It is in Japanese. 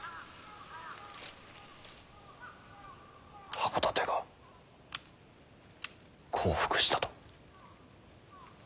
箱館が降伏したと。